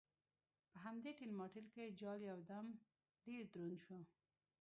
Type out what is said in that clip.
په همدې ټېل ماټېل کې جال یو دم ډېر دروند شو.